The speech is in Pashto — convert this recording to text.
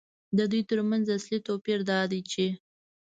د دوی ترمنځ اصلي توپیر دا دی چې